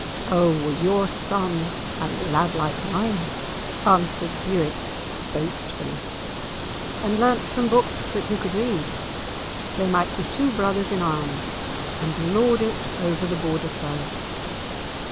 "O were your son a lad like mine," answered Bewick, boastfully, "and learnt some books that he could read, they might be two brothers in arms, and lord it over the Borderside.